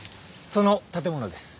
その建物です。